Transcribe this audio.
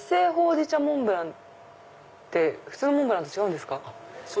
焙じ茶モンブランって普通のモンブランと違うんですか？